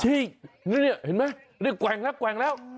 ใช่นี่เห็นไหมกว่างแล้วแล้ว